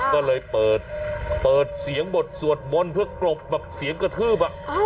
ก็เลยเปิดเสียงบทสวดมนต์เพื่อกลบแบบเสียงกระทืบ